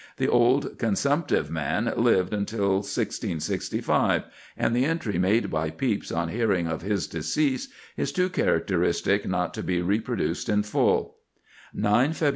The old consumptive man lived till 1665, and the entry made by Pepys on hearing of his decease is too characteristic not to be reproduced in full:— "9 Feb.